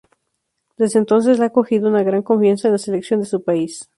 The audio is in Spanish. Desde entonces, ha cogido gran confianza en la selección de su país.